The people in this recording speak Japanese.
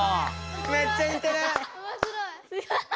めっちゃにてる！